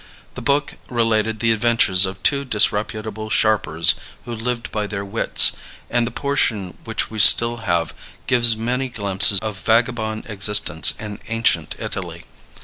The book related the adventures of two disreputable sharpers who lived by their wits; and the portion which we still have gives many glimpses of vagabond existence in ancient Italy.